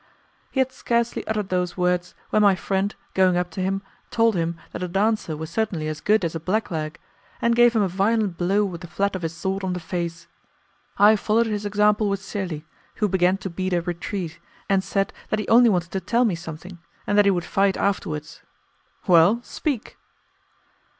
He had scarcely uttered those words when my friend, going up to him, told him that a dancer was certainly as good as a blackleg, and gave him a violent bow with the flat of his sword on the face. I followed his example with Celi, who began to beat a retreat, and said that he only wanted to tell me something, and that he would fight afterwards. "Well, speak."